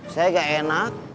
saya gak enak